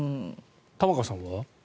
玉川さんは？